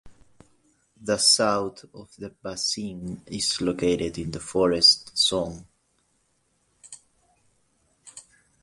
The south of the basin is located in the forest zone.